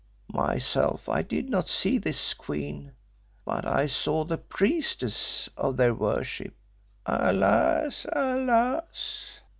Myself I did not see this queen, but I saw the priestess of their worship alas! alas!"